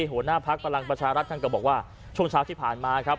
หัวหน้าพักพลังประชารัฐท่านก็บอกว่าช่วงเช้าที่ผ่านมาครับ